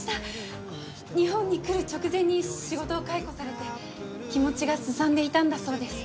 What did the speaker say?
日本に来る直前に仕事を解雇されて気持ちがすさんでいたんだそうです。